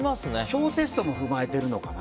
小テストも含まれてるのかな。